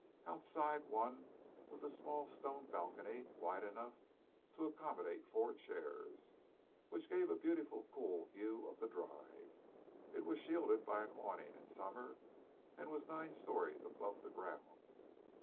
Outside one was a small stone balcony wide enough to accommodate four chairs, which gave a beautiful, cool view of the drive. It was shielded by an awning in summer and was nine storeys above the ground.